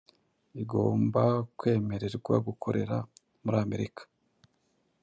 igomba kwemererwa gukorera muri Amerika